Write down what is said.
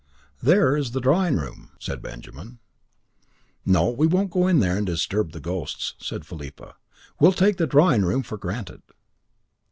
"There is the drawing room," said Benjamin. "No, we won't go in there and disturb the ghosts," said Philippa. "We'll take the drawing room for granted."